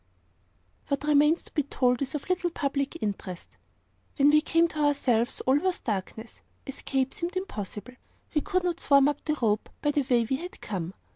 What remains to be told is of little public interest. When we came to ourselves, all was darkness. Escape seemed impossible. We could not swarm up the rope, by the way we had come.